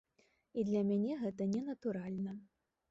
І для мяне гэта ненатуральна.